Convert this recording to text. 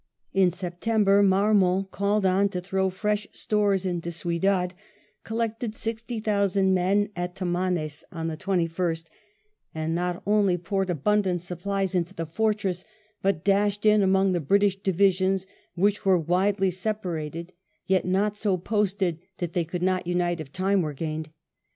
In September Marmont^ called on to throw fresh stores into Ciudad, collected sixty thousand men at Tamanes on the 21st, and not only VII MARMONtS ADVANCE, EL BODON 155 poured abundant supplies into the fortress, but dashed in among the British divisions, which were widely separated, yet not so posted that they could not unite if time were gained.